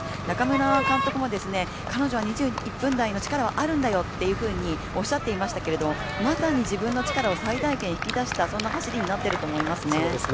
中村監督も彼女は２１分台の力はあるんだよとおっしゃっていましたけれどもまさに自分の力を最大限引き出したそんな走りになってると思いますね。